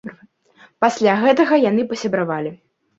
Пасля гэтага яны пасябравалі.